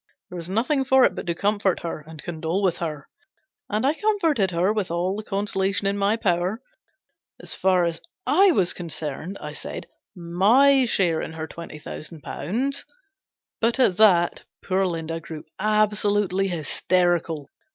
There was nothing for it but to comfort her and condole with her. And I comforted her with all the consolation in my power. As far as 7 was concerned, I said, my share in her twenty thousand pounds But at that poor Linda grew absolutely hysterical.